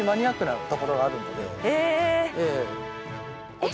えっ！？